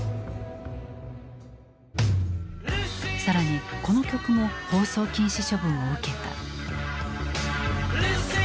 更にこの曲も放送禁止処分を受けた。